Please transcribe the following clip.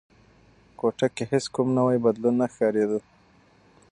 کوټه کې هیڅ کوم نوی بدلون نه ښکارېده.